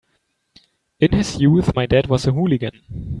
In his youth my dad was a hooligan.